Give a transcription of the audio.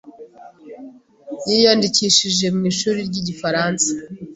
yiyandikishije mu ishuri ryigifaransa.